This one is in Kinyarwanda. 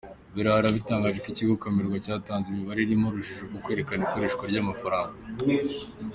Biraro, yatangaje ko ikigo Camerwa cyatanze imibare irimo urujijo mu kwerekana ikoreshwa ry’amafaranga.